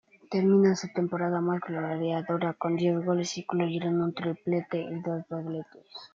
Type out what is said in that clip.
Termina su temporada más goleadora con diez goles, incluyendo un triplete y dos dobletes.